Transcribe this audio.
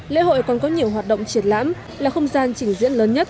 lễ hội còn có nhiều hoạt động triển lãm là không gian trình diễn lớn nhất